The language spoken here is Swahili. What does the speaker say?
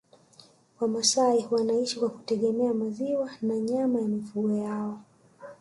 Wamasai wanaishi kwa kutegemea maziwa na nyama ya mifugo yao